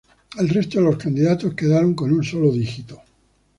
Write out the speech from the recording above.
El resto de los candidatos quedaron con un solo dígito.